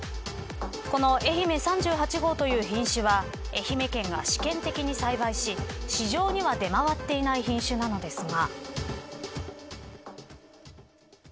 この、愛媛３８号という品種は愛媛県が試験的に栽培し市場には出回っていない品種なんですが。